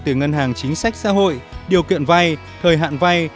từ ngân hàng chính sách xã hội điều kiện vay thời hạn vay